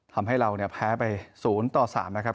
ทำให้เราเนี่ยแพ้ไป๐ต่อ๓นะครับ